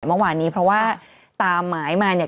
เมื่อวานนี้เพราะว่าตามหมายมาเนี่ย